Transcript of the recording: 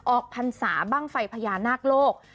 พรรษาบ้างไฟพญานาคโลก